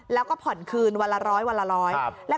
แล้วก็ผ่อนคืนวันละ๑๐๐วันละ๑๐๐